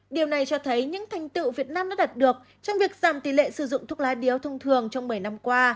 điều này cho thấy những thành tựu việt nam đã đạt được trong việc giảm tỷ lệ sử dụng thuốc lá điếu thông thường trong một mươi năm qua